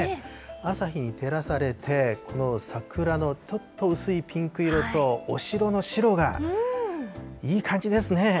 朝日に照らされて、この桜のちょっと薄いピンク色とお城の白が、いい感じですね。